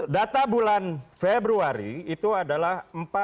data bulan februari itu adalah empat